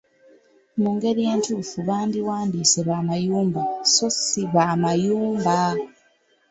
Mu ngeri entuufu, bandiwandiise 'b’amayumba' so ssi 'bamayuumba'.